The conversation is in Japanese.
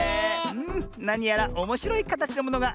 なにやらおもしろいかたちのものがでてきたね。